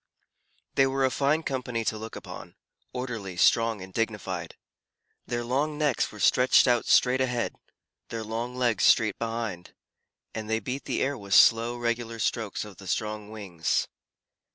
They were a fine company to look upon, orderly, strong, and dignified. Their long necks were stretched out straight ahead, their long legs straight behind, and they beat the air with slow, regular strokes of the strong wings.